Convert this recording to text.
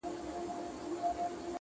o جومات ته نژدې، له خدايه ليري.